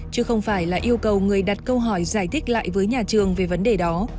chứ không phải là yêu cầu người đặt câu hỏi giải thích lại với nhà trường về vấn đề đó